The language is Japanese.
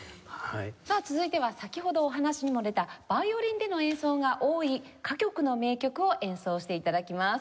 さあ続いては先ほどお話にも出たヴァイオリンでの演奏が多い歌曲の名曲を演奏して頂きます。